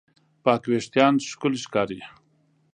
پاک وېښتيان ښکلي ښکاري.